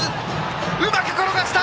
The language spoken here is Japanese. うまく転がした！